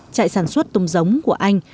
chạy sản xuất tôm giống của anh